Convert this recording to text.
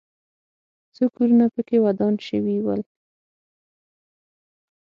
څو کورونه پکې ودان شوي ول.